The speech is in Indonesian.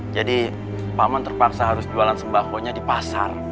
jadi paman terpaksa harus jualan sembahkonya di pasar